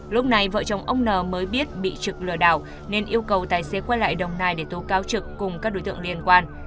lúc này vợ chồng ông n mới biết bị trực lừa đảo nên yêu cầu tài xế quay lại đồng nai để tố cáo trực cùng các đối tượng liên quan